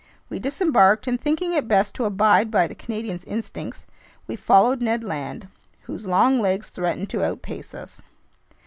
We disembarked, and thinking it best to abide by the Canadian's instincts, we followed Ned Land, whose long legs threatened to outpace us.